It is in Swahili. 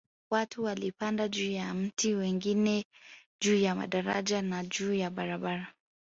Watu walipanda juu ya miti wengine juu ya madaraja na juu ya barabara